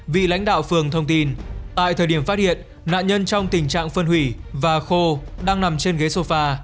vị lãnh đạo phường thông tin tại thời điểm phát hiện nạn nhân trong tình trạng phân hủy và khô đang nằm trên ghế sofa